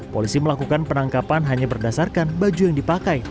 polisi melakukan penangkapan hanya berdasarkan baju yang dipakai